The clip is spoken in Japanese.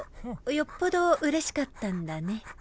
よっぽどうれしかったんだね。